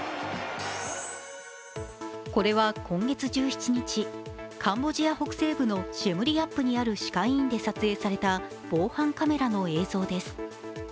これは今月１７日、カンボジア北西部のシェムリアップにある歯科医院で撮影された防犯カメラの映像です。